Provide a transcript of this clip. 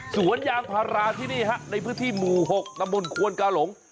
สวนยางพาราที่นี่ฮะในพื้นที่หมู่๖ตำบลควนกาหลง